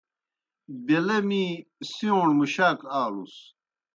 بیلہ می سِیوݨوْ مُشاک آلُس۔